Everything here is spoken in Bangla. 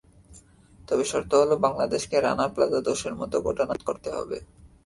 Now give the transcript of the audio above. তবে শর্ত হলো, বাংলাদেশকে রানা প্লাজা ধসের মতো ঘটনা রোধ করতে হবে।